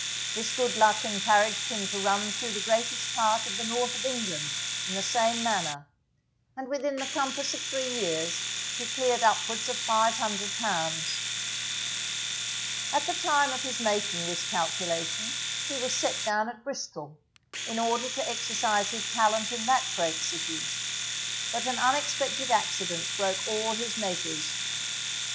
This good luck encouraged him to run through the greatest part of the North of England in the same manner, and within the compass of three years he cleared upwards of £500. At the time of his making this calculation he was set down at Bristol, in order to exercise his talent in that great city; but an unexpected accident broke all his measures.